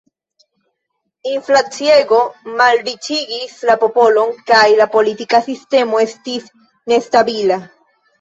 Inflaciego malriĉigis la popolon kaj la politika sistemo estis nestabila.